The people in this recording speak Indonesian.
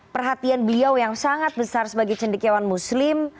perhatian beliau yang sangat besar sebagai cendekiawan muslim